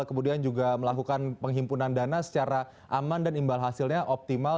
kemudian juga melakukan penghimpunan dana secara aman dan imbal hasilnya optimal